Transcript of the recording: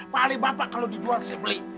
paling bapak kalau dijual saya beli